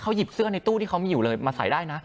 หยิบเสื้อในตู้ที่เขามีอยู่เลยมาใส่ได้นะ